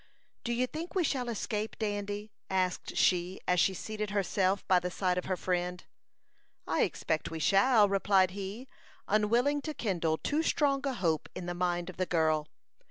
"Do you think we shall escape, Dandy?" asked she, as she seated herself by the side of her friend. "I expect we shall," replied he, unwilling to kindle too strong a hope in the mind of the girl.